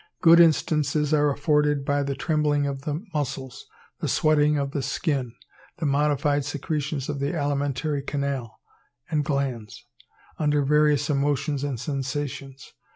Good instances are afforded by the trembling of the muscles, the sweating of the skin, the modified secretions of the alimentary canal and glands, under various emotions and sensations.